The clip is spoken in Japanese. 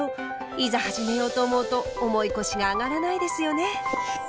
いざ始めようと思うと重い腰があがらないですよね。